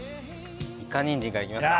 いかにんじんからいきますか。